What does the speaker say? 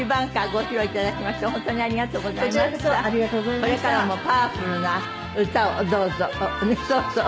これからもパワフルな歌をどうぞそうそう。